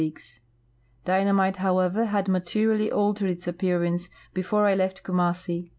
Dynamite, however, had materially altered its appearance before I left Kumassi.